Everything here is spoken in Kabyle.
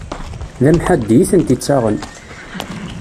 D amḥaddi itent-ittaɣen!